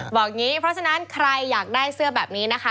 อย่างนี้เพราะฉะนั้นใครอยากได้เสื้อแบบนี้นะคะ